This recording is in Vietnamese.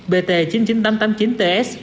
bt chín mươi chín nghìn năm trăm tám mươi chín ts